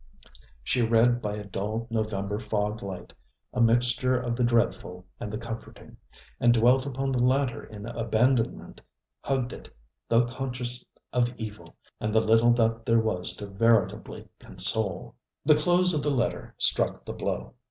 She read by a dull November fog light a mixture of the dreadful and the comforting, and dwelt upon the latter in abandonment, hugged it, though conscious of evil and the little that there was to veritably console. The close of the letter struck the blow.